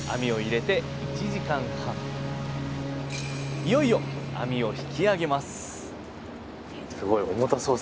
いよいよ網を引きあげます！